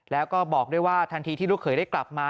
แล้วก็บอกด้วยว่าทันทีที่ลูกเขยได้กลับมา